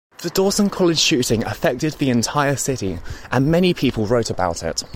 The Dawson College Shooting affected the entire city and many people wrote about it.